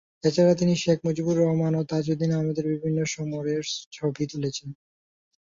এছাড়া তিনি শেখ মুজিবুর রহমান ও তাজউদ্দীন আহমদের বিভিন্ন সময়ের ছবি তুলেছেন।